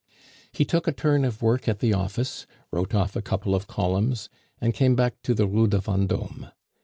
He took a turn of work at the office, wrote off a couple of columns, and came back to the Rue de Vendome.